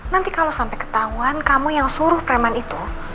nanti kalo sampe ketahuan kamu yang suruh preman itu